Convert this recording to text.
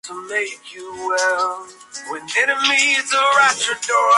Durante la construcción de la carretera del collado, se encontró rastros de cenizas.